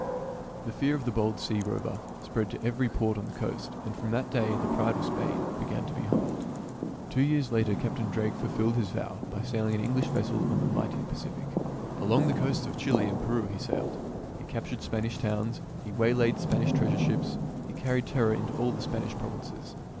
The fear of the bold sea rover spread to every port on the coast, and from that day the pride of Spain began to be humbled. "'I myself will make him a knight.'" Two years later Captain Drake fulfilled his vow by sailing an English vessel on the mighty Pacific. Along the coasts of Chile and Peru he sailed. He captured Spanish towns, he waylaid Spanish treas ure ships, he carried terror into all the Spanish provinces.